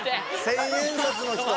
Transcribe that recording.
千円札の人？